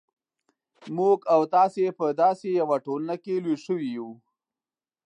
موږ او تاسې په داسې یوه ټولنه کې لوی شوي یو.